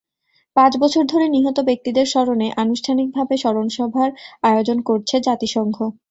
পাঁচ বছর ধরে নিহত ব্যক্তিদের স্মরণে আনুষ্ঠানিকভাবে স্মরণসভার আয়োজন করছে জাতিসংঘ।